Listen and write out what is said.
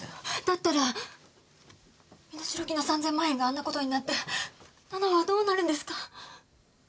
だったら身代金の３千万円があんな事になって奈々はどうなるんですか！？